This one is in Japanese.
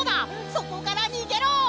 そこからにげろ！